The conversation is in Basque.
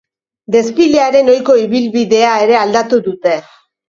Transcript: Desfilearen ohiko ibilbidea ere aldatu dute.